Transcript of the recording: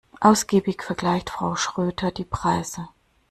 Ausgiebig vergleicht Frau Schröter die Preise.